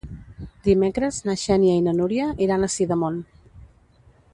Dimecres na Xènia i na Núria iran a Sidamon.